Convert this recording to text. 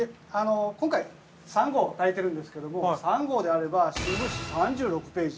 ◆今回、３合炊いてるんですけれども３合であれば、新聞紙３６ページ。